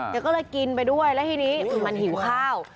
ก็ก็เลยกินไปด้วยที่นี้อ่ะมันหิวข้าว